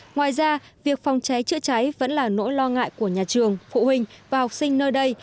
ngoài ra việc phòng cháy chữa cháy vẫn là nỗi lo ngại của nhà trường phụ huynh và học sinh nơi đây